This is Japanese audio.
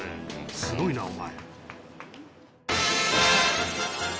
「すごいなお前」